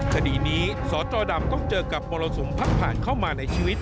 คดีนี้สจดำต้องเจอกับมรสุมพัดผ่านเข้ามาในชีวิต